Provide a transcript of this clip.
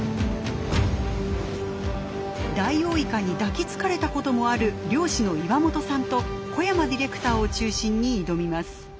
ダイオウイカに抱きつかれたこともある漁師の岩本さんと小山ディレクターを中心に挑みます。